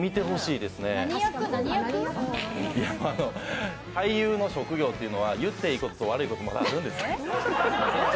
いや、俳優の職業ってのは言っていいことと悪いことがあるんですよ。